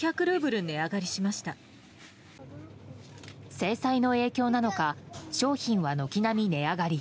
制裁の影響なのか商品は軒並み値上がり。